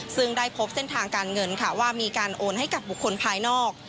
ซึ่งได้พบเส้นทางการเงินค่ะว่ามีการโอนให้กับบุคคลภายนอก